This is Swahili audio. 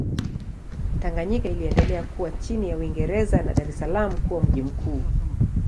Tanganyika iliendelea kuwa chini ya Uingereza na Dar es Salaam kuwa mji mkuu.